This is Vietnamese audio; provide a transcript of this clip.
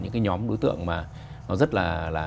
những cái nhóm đối tượng mà nó rất là